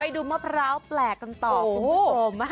ดูมะพร้าวแปลกกันต่อคุณผู้ชม